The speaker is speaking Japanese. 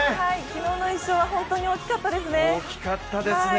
昨日の１勝は本当に大きかったですね。